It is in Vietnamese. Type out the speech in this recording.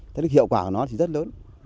thế được hiệu quả của nó thì rất lớn